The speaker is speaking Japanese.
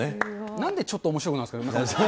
なんでちょっとおもしろくなるんですか。